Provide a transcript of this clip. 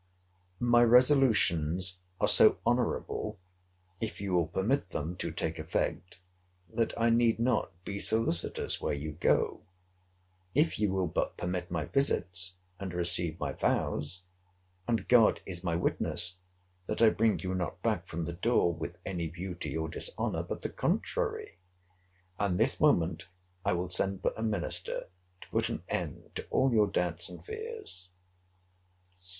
My resolutions are so honourable, if you will permit them to take effect, that I need not be solicitous where you go, if you will but permit my visits, and receive my vows.—And God is my witness, that I bring you not back from the door with any view to your dishonour, but the contrary: and this moment I will send for a minister to put an end to all your doubts and fears.